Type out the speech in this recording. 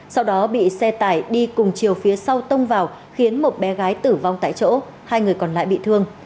sau đó bị xe tải đi cùng chiều phía sau tông vào khiến một bé gái tử vong tại chỗ hai người còn lại bị thương